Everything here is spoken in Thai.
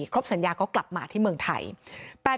ครบสัญญาก็กลับมาที่เมืองไทย